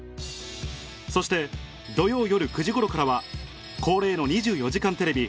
そして土曜夜９時頃からは恒例の『２４時間テレビ』